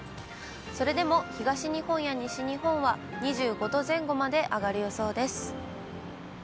それでも東日本や西日本は２５度前後まで上がる予想です。